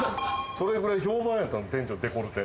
それぐらい評判やった店長のデコルテ。